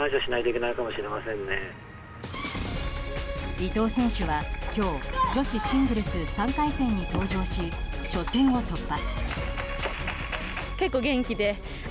伊藤選手は今日女子シングルス３回戦に登場し初戦を突破。